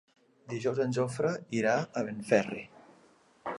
Dijous en Jofre irà a Benferri.